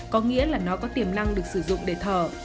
có nghĩa là nó có tiềm năng được sử dụng để thở